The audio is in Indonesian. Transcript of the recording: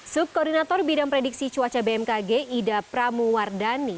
subkoordinator bidang prediksi cuaca bmkg ida pramuwardani